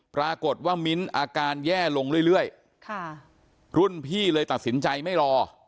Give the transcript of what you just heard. มิ้นอาการแย่ลงเรื่อยค่ะรุ่นพี่เลยตัดสินใจไม่รอ